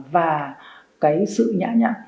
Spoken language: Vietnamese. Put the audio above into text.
và cái sự nhã nhã